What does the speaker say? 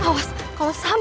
rasa sepelt enam mm